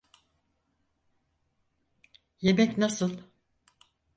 Yemek nasıl?